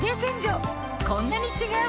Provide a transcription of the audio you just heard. こんなに違う！